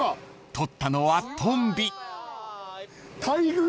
［撮ったのはトンビ］